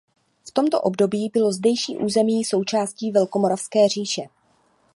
V tomto období bylo zdejší území součástí Velkomoravské říše.